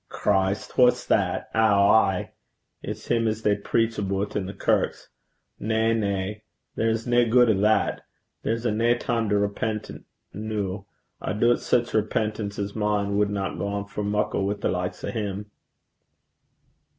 'Christ! wha's that? Ow, ay! It's him 'at they preach aboot i' the kirks. Na, na. There's nae gude o' that. There's nae time to repent noo. I doobt sic repentance as mine wadna gang for muckle wi' the likes o' him.'